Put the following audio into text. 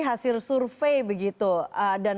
hasil survei begitu dan